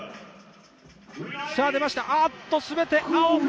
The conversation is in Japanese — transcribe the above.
出ました、全て青！